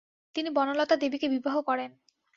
তিনি বনলতা দেবীকে বিবাহ করেন।